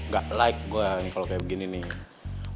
gak like gue kalo kayak begini nih